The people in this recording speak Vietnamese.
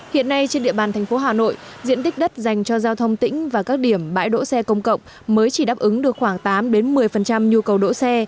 hiện nay trên địa bàn thành phố hà nội diện tích đất dành cho giao thông tỉnh và các điểm bãi đỗ xe công cộng mới chỉ đáp ứng được khoảng tám đến một mươi km